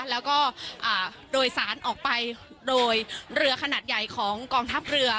แล้วก็โดยสารออกไปโดยเรือขนาดใหญ่ของกองทัพเรือ